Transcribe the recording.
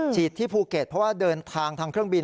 ที่ภูเก็ตเพราะว่าเดินทางทางเครื่องบิน